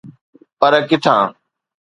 پر ڪٿان؟